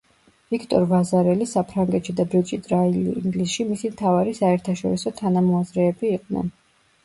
ვიქტორ ვაზარელი საფრანგეთში და ბრიჯიტ რაილი ინგლისში მისი მთავარი საერთაშორისო თანამოაზრეები იყვნენ.